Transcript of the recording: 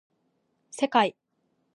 せかい